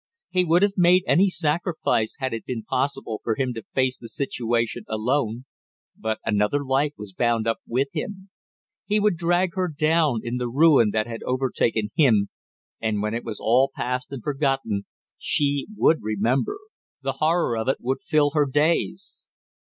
He would have made any sacrifice had it been possible for him to face the situation alone, but another life was bound up with him; he would drag her down in the ruin that had overtaken him, and when it was all past and forgotten, she would remember, the horror of it would fill her days!